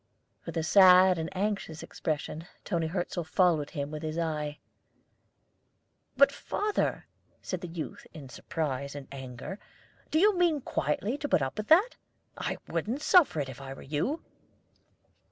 With a sad and anxious expression Toni Hirzel followed him with his eye. "But, father," said the youth, in surprise and anger, "do you mean quietly to put up with that? I wouldn't suffer it, if I were you."